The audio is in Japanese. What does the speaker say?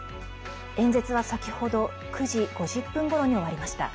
演説は先ほど９時５０分ごろに終わりました。